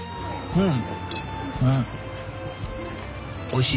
うん！